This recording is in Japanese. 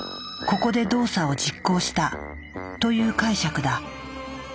ここで動作を実行したという解釈だ。